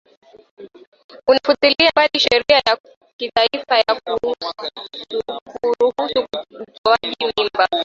unafutilia mbali sheria ya kitaifa ya kuruhusu utoaji mimba